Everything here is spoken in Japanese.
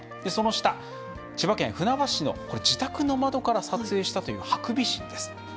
その下、千葉県船橋市の自宅の窓から撮影したというハクビシンです。